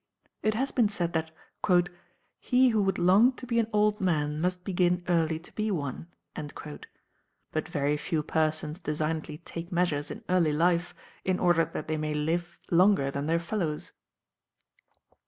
It has been said that "he who would long to be an old man must begin early to be one," but very few persons designedly take measures in early life in order that they may live longer than their fellows.